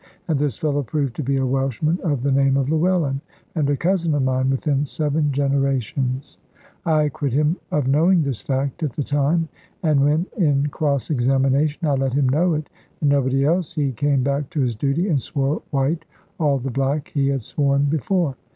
And this fellow proved to be a Welshman of the name of Llewellyn, and a cousin of mine within seven generations! I acquit him of knowing this fact at the time; and when in cross examination I let him know it, and nobody else, he came back to his duty, and swore white all the black he had sworn before.